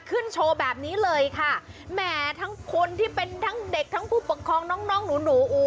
โชว์แบบนี้เลยค่ะแหมทั้งคนที่เป็นทั้งเด็กทั้งผู้ปกครองน้องน้องหนู